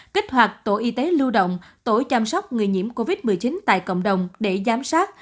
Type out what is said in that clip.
kích hoạt tổ y tế lưu động tổ chăm sóc người nhiễm covid một mươi chín tại cộng đồng để giám sát